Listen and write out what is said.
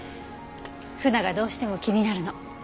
鮒がどうしても気になるの。